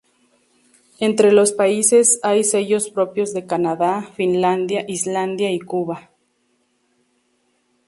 Entre los países, hay sellos propios de Canadá, Finlandia, Islandia y Cuba.